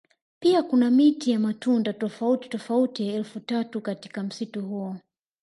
Pia kuna miti ya matunda tofauti tofauti elfu tatu katika msitu huo